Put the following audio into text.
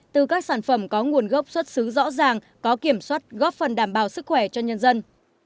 từ các sản phẩm có nguồn gốc xuất xứ rõ ràng có kiểm soát góp phần đảm bảo sức khỏe cho nhân dân